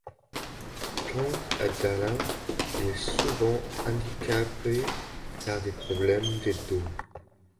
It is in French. Quant à Dahlin, il est souvent handicapé par des problèmes de dos.